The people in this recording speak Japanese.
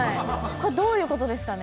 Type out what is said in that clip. これどういうことですかね。